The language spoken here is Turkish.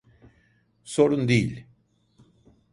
Sorun değiI.